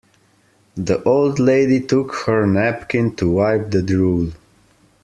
The old lady took her napkin to wipe the drool.